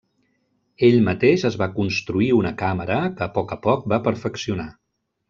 Ell mateix es va construir una càmera que a poc a poc va perfeccionar.